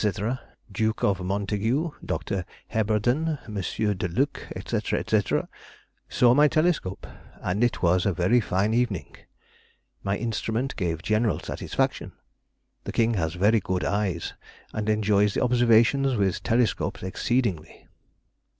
Duke of Montague, Dr. Heberden, M. de Luc, &c., &c., saw my telescope, and it was a very fine evening. My instrument gave general satisfaction. The King has very good eyes, and enjoys observations with telescopes exceedingly.